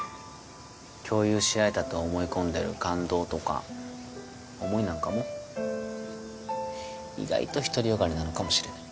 共有し合えたと思い込んでる「感動」とか「思い」なんかも意外と独り善がりなのかもしれない。